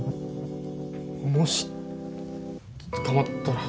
もし捕まったら。